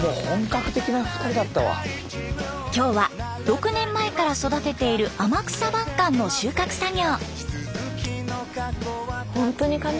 今日は６年前から育てている天草晩柑の収穫作業。